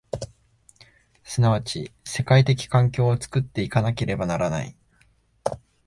即ち世界的環境を作って行かなければならない。